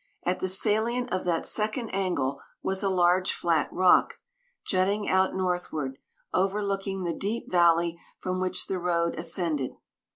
At the salient of that second angle was a large flat rock, jutting out northward, overlooking the deep valley from which the road ascended.